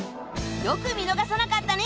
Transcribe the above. よく見逃さなかったね！